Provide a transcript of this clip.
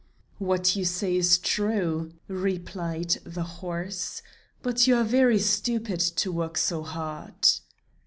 "What you say is true," replied the horse, "but you are very stupid to work so hard."